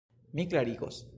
Mi klarigos.